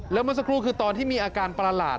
แล้วเมื่อสักครู่คือตอนที่มีอาการประหลาด